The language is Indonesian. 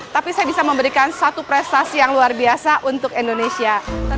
tapi saya bisa memberikan satu prestasi yang luar biasa untuk indonesia